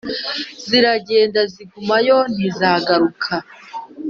ziragenda, zigumayo ntizagaruka